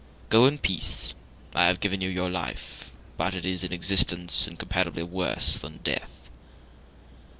Go in peace! I have given you your life, but it is an existence in comparably worse than death."